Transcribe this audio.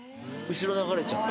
後ろ流れちゃって？